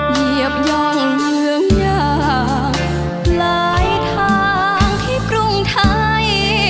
เหยียบย่องเมืองยาหลายทางที่กรุงไทย